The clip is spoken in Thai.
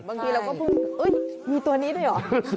บางทีเราก็พึ่งอุ๊ยมีตัวนี้ด้วยหรือ